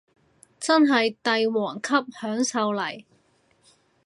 真係帝王級享受嚟